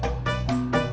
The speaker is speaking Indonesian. ya saya lagi konsentrasi